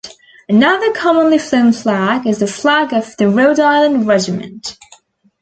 Another commonly flown flag is the Flag of the Rhode Island Regiment.